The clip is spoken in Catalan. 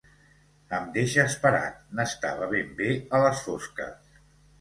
Em deixes parat: n'estava ben bé a les fosques.